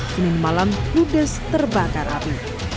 senin malam ludes terbakar api